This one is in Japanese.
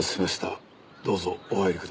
どうぞお入りください。